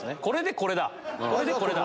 これでこれだ。